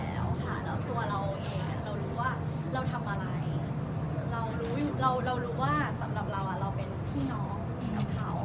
แล้วตัวเราเองเรารู้ว่าเราทำอะไรเรารู้เรารู้ว่าสำหรับเราเราเป็นพี่น้องกับเขา